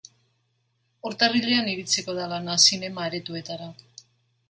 Urtarrilean iritsiko da lana zinema-aretoetara.